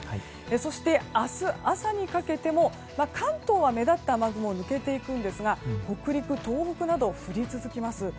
そして、明日朝にかけても関東は目立った雨雲は抜けていくんですが北陸、東北など降り続きます。